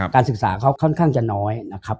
การศึกษาเขาค่อนข้างจะน้อยนะครับ